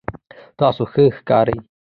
تاسو ښه ښکارئ